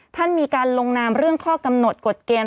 ท่านมีการลงนามเรื่องข้อกำหนดกฎเกณฑ์